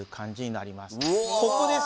ここです。